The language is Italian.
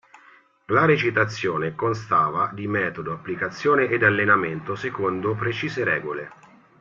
La recitazione constava di metodo, applicazione ed allenamento, secondo precise regole.